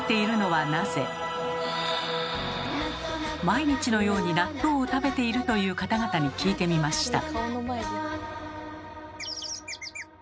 毎日のように納豆を食べているという方々に聞いてみました。